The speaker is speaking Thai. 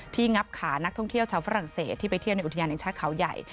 งับขานักท่องเที่ยวชาวฝรั่งเศสที่ไปเที่ยวในอุทยานแห่งชาติเขาใหญ่